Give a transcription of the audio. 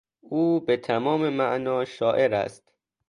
او به تمام معنا شاعر است.